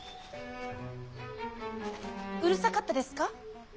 うるさかったですか？